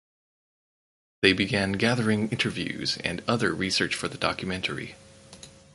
They began gathering interviews and other research for the documentary.